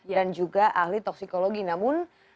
dan juga ahli toksikologi namun